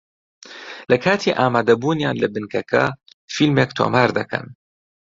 لە کاتی ئامادەبوونیان لە بنکەکە فیلمێک تۆمار دەکەن